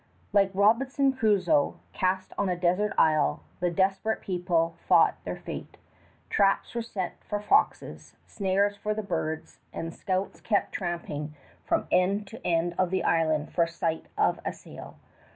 Like Robinson Crusoe cast on a desert isle, the desperate people fought their fate. Traps were set for the foxes, snares for the birds, and scouts kept tramping from end to end of the island for sight of a sail.